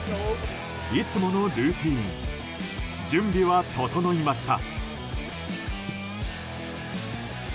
いつものルーチン準備は整いました。